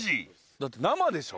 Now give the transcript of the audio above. だって生でしょ？